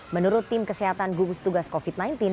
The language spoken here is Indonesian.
menurut tim kesehatan gugus tugas covid sembilan belas